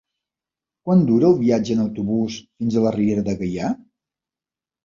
Quant dura el viatge en autobús fins a la Riera de Gaià?